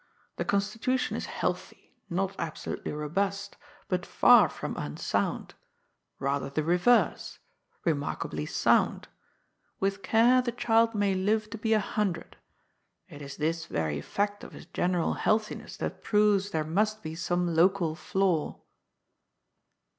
The constitution is healthy, not absolutely robust, but far from 80 GOD'S FOOL. unsound. Bather the reverse. Remarkably sound. With care the child may live to be a hundred. It is this very fact of his general healthiness that proves there must be some local flaw."